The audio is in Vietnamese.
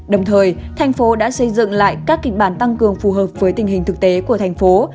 đồng thời thành phố đã xây dựng lại các kịch bản tăng cường phù hợp với tình hình thực tế của thành phố